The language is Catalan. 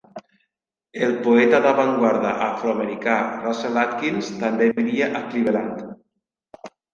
El poeta d'avantguarda afroamericà Russell Atkins també vivia a Cleveland.